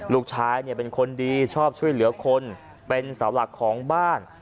ลูกชายเป็นคนดีชอบช่วยเหลือคนเป็นเสาหลักของบ้าน